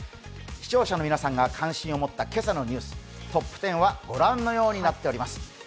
視聴者の皆さんが関心を持った今朝のニュース、トップ１０はご覧のようになっています。